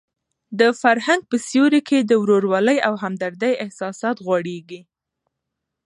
د فرهنګ په سیوري کې د ورورولۍ او همدردۍ احساسات غوړېږي.